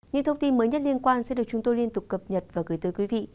những thông tin mới nhất liên quan sẽ được chúng tôi liên tục cập nhật và gửi tới quý vị